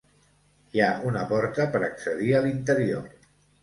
Hi ha una porta per accedir a l'interior.